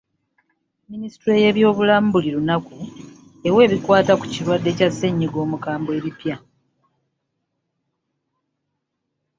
Minisitule y'ebyobulamu buli lunaku ewa ebikwata ku kirwadde kya ssennyiga omukambwe ebipya.